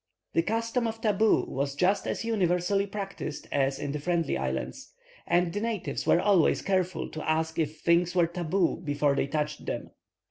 The custom of "tabu" was just as universally practised as in the Friendly Islands, and the natives were always careful to ask if things were "tabu" before they touched them.